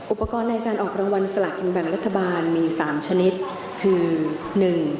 อุปกรณ์ในการออกรางวัลสลากินแบ่งรัฐบาลมีสามชนิดคือหนึ่ง